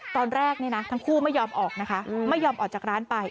ตอนแรกนี่นะทั้งคู่ไม่ยอมออกนะคะไม่ยอมออกจากร้านไป